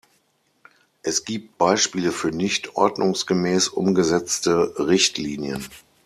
Es gibt Beispiele für nicht ordnungsgemäß umgesetzte Richtlinien.